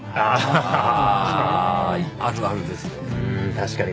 確かに。